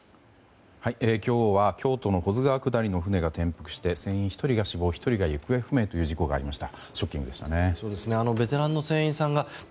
今日は京都の保津川下りの船が転覆して船員１人が死亡１人が行方不明という事故がありました。